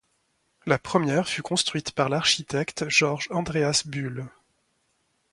La première fut construite par l'architecte Georg Andreas Bull.